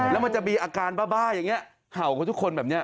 แล้วมันจะมีอาการบ้าอย่างนี้เห่ากับทุกคนแบบนี้